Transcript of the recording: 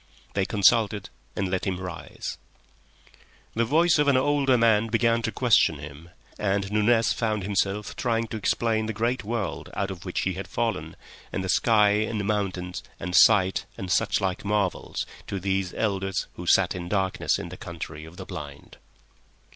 They consulted and let him rise. The voice of an older man began to question him, and Nunez found himself trying to explain the great world out of which he had fallen, and the sky and mountains and such like marvels, to these elders who sat in darkness in the Country of the Blind.